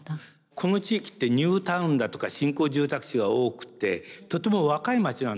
この地域ってニュータウンだとか新興住宅地が多くてとても若いまちなんですよね。